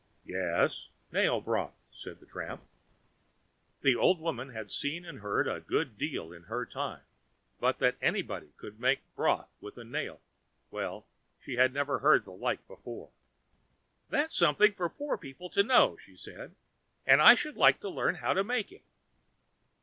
"Yes, nail broth," said the tramp. The old woman had seen and heard a good deal in her time, but that anybody could have made broth with a nail, well, she had never heard the like before. "That's something for poor people to know," she said, "and I should like to learn how to make it."